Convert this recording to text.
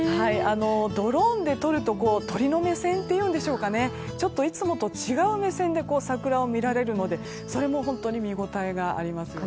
ドローンで撮ると鳥の目線っていうんでしょうかちょっといつもと違う目線で桜を見られるのでそれも本当に見応えがありますよね。